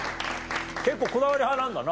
結構こだわり派なんだな。